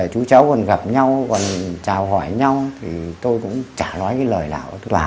chú cháu còn gặp nhau còn chào hỏi nhau thì tôi cũng chả nói cái lời nào